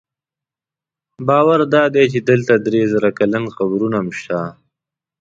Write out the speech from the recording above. باور دا دی چې دلته درې زره کلن قبرونه هم شته.